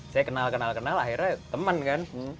saya kenal kenal kenal akhirnya teman kan